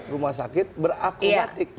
rumah sakit berakumatik